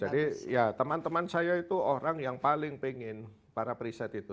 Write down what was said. jadi ya teman teman saya itu orang yang paling pengen para preset itu